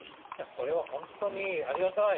これはホントにありがたい。